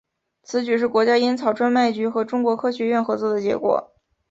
此举是国家烟草专卖局和中国科学院合作的结果。